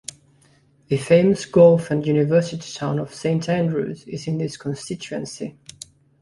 The famous golf and university town of Saint Andrews is in this constituency.